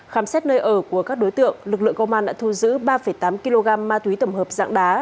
khám xét nơi ở của các đối tượng lực lượng công an đã thu giữ ba tám kg ma túy tổng hợp dạng đá